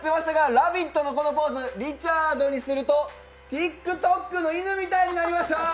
「ラヴィット！」のこのポーズ、リチャードにするとＴｉｋＴｏｋの犬みたいになりました！